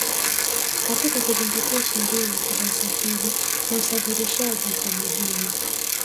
katika kuzingatia sheria za usafiri na usafirishaji wa majini